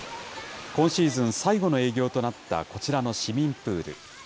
今シーズン最後の営業となったこちらの市民プール。